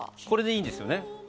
これでいいんですよね？